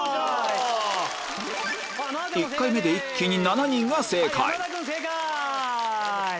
１回目で一気に７人が正解山田君正解！